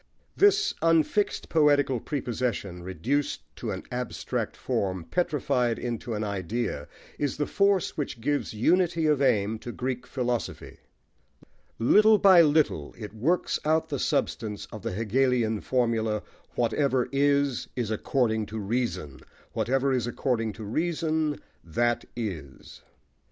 This unfixed poetical prepossession, reduced to an abstract form, petrified into an idea, is the force which gives unity of aim to Greek philosophy. Little by little, it works out the substance of the Hegelian formula: "Whatever is, is according to reason: whatever is according to reason, that is."